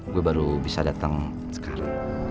gue baru bisa datang sekarang